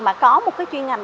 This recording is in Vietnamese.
mà có một cái chuyên ngành